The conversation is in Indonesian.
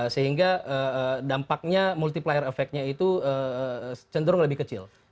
sehingga dampaknya multiplier effect nya itu cenderung lebih kecil